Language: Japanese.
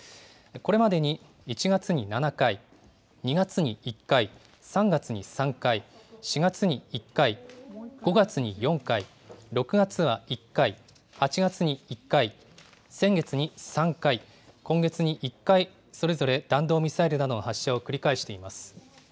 これまでに１月に７回、２月に１回、３月に３回、４月に１回、５月に４回、６月は１回、８月に１回、先月に３回、今月に１回それぞれ弾道ミサイルなどの発射を繰り返しています。